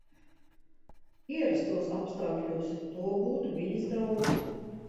Ierastos apstākļos to būtu bijis daudz.